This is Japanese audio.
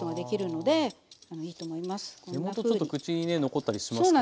根元ちょっと口にね残ったりしますもんね。